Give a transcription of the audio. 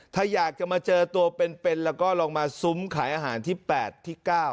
ถ้าอยากจะมาเจอตัวเป็นแล้วก็ลองมาซุ้มขายอาหารที่๘ที่๙